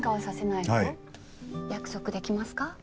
約束できますか？